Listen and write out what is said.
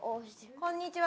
こんにちは！